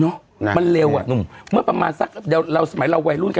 เนาะมันเร็วอ่ะนุ่มมันประมาณสักเราสมัยเราวัยรุ่นกัน